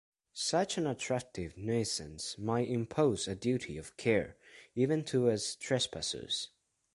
Such an attractive nuisance may impose a duty of care even towards trespassers.